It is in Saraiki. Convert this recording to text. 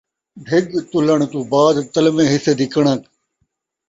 ڈِھڳ تُلّݨ تُوں بعد تَلویں حِصّے دی کَݨک۔